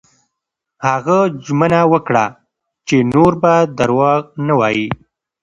هغه ژمنه وکړه چې نور به درواغ نه وايي.